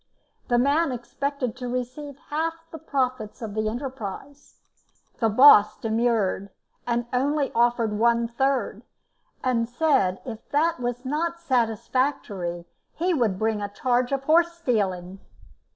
The man expected to receive half the profits of the enterprise. The boss demurred, and only offered one third, and said if that was not satisfactory he would bring a charge of horse stealing.